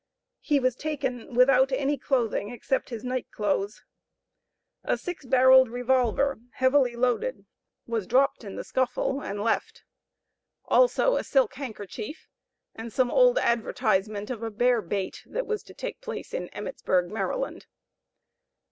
He was taken without any clothing, except his night clothes. A six barrelled revolver, heavily loaded, was dropped in the scuffle, and left; also a silk handkerchief, and some old advertisement of a bear bait, that was to take place in Emmittsburg, Maryland.